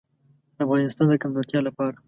د افغانستان د کمزورتیا لپاره.